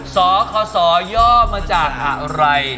สคศย่อมาจากอะไร